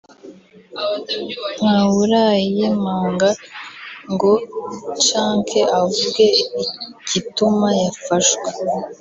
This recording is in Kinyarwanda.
ntawurayemanga ngo canke avuge igituma yafashwe